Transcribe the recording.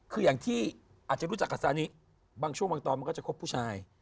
คืออย่างที่อาจจะรู้จักกับซานิบางช่วงบางตอนมันก็จะครบผู้ชาย